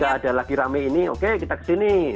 nggak ada lagi rame ini oke kita kesini